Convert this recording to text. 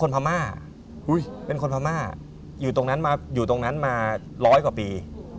เป็นคนพรมาอยู่ตรงนั้นมา๑๐๐กว่าปี